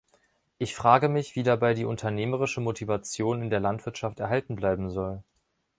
Ich frage mich, wie dabei die unternehmerische Motivation in der Landwirtschaft erhalten bleiben soll.